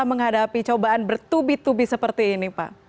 menghadapi cobaan bertubi tubi seperti ini pak